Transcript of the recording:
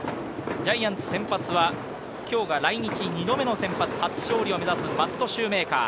ジャイアンツ先発は今日が来日２度目の先発、初勝利を目指すマット・シューメーカー。